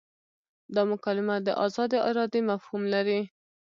دا مکالمه د ازادې ارادې مفهوم لري.